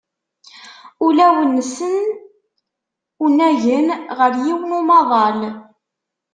Ulawen-sen unagen ɣer yiwen n umaḍal.